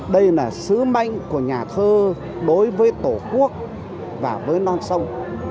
đây là sứ mệnh của nhà thơ đối với tổ quốc và với non sông